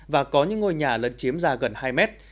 và có những ngôi nhà lân chiếm ra gần hai mét